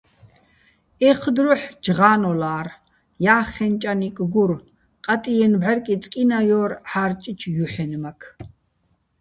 ეჴ დროჰ̦ ჯღა́ნოლა́რ, ჲახხეჼ ჭანიკ გურ, ყატჲიენო̆ ბჵარკი წკინაჲორ ჺა́რჭიჩო̆ ჲუჰ̦ენმაქ.